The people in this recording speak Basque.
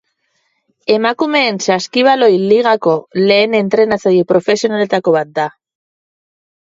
Emakumeen saskibaloi ligako lehen entrenatzaile profesionaletako bat da.